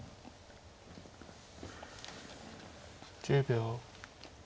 １０秒。